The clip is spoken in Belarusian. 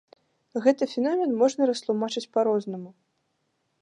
Гэты феномен можна растлумачыць па-рознаму.